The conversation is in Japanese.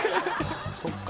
そっか。